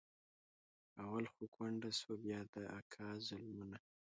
اول خو کونډه سوه بيا د اکا ظلمونه.